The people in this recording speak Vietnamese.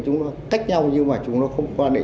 chúng nó cách nhau nhưng mà chúng nó không quan hệ